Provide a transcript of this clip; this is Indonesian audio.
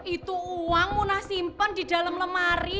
itu uang muna simpen di dalam lemari